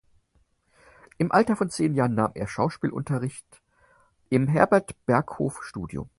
Im Alter von zehn Jahren nahm er Schauspielunterricht im Herbert Berghof Studio.